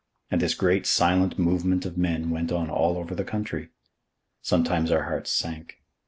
And this great, silent movement of men went on all over the country. Sometimes our hearts sank.